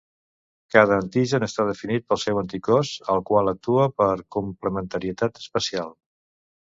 Cada antigen està definit pel seu anticòs, el qual actua per complementarietat espacial.